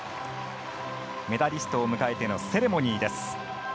メダリストを迎えてのセレモニーです。